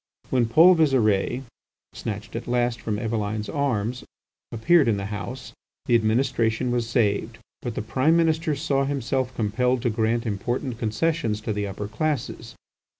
When Paul Visire, snatched at last from Eveline's arms, appeared in the House, the administration was saved; but the Prime Minister saw himself compelled to grant important concessions to the upper classes.